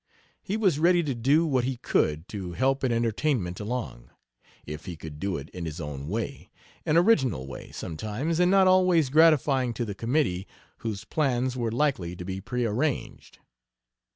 He was ready to do what he could to help an entertainment along, if he could do it in his own way an original way, sometimes, and not always gratifying to the committee, whose plans were likely to be prearranged.